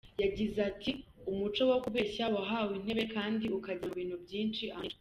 Yagize ati “ Umuco wo kubeshya wahawe intebe kandi ukagera mu bintu byinshi ahantu henshi.